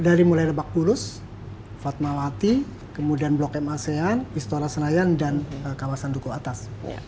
dari mulai lebak bulus fatmawati kemudian blok masean pistola senayan dan kawasan duku atas